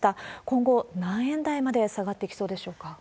今後、何円台まで下がっていきそうでしょうか。